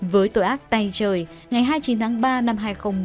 với tội ác tay trời ngày hai mươi chín tháng ba năm hai nghìn một mươi